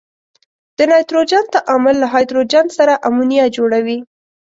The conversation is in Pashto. د نایتروجن تعامل له هایدروجن سره امونیا جوړوي.